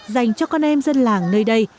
dành cho con em dân làng nơi đây